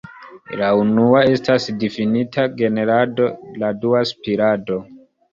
La unua estas difinita "generado", la dua "spirado".